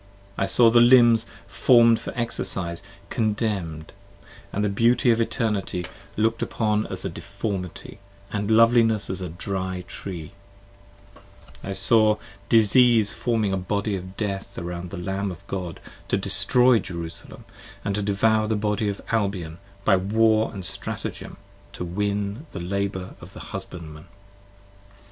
I saw the limbs form'd for exercise, contemn'd; & the beauty of Eternity, look'd upon as deformity, & loveliness as a dry tree: I saw disease forming a Body of Death around the Lamb 10 Of God, to destroy Jerusalem, & to devour the body of Albion By war and stratagem to win the labour of the husbandman.